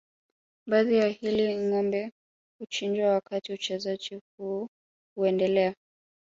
Baada ya hili ngombe huchinjwa wakati uchezaji huu unaendelea